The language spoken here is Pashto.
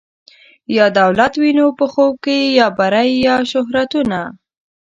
یا دولت وینو په خوب کي یا بری یا شهرتونه